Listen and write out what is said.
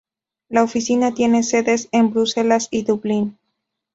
La Oficina tiene sedes en Bruselas y Dublín.